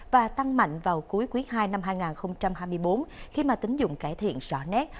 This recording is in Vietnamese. và tăng mạnh vào cuối quý ii năm hai nghìn hai mươi bốn khi mà tính dụng cải thiện rõ nét